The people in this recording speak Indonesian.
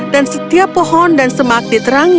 dan setiap pohon dan semak diterangkan